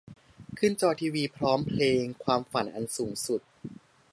ขึ้นจอทีวีพร้อมเพลง "ความฝันอันสูงสุด"